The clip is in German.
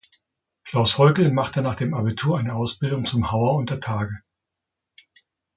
Klaus Heugel machte nach dem Abitur eine Ausbildung zum Hauer unter Tage.